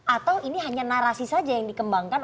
atau ini hanya narasi saja yang dikembangkan